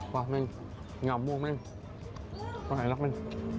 wah men nyamuk men wah enak men